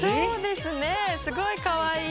すごいかわいい！